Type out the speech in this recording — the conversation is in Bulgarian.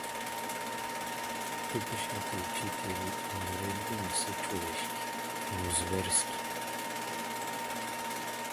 Тукашните учители и наредби не са човешки, но зверски.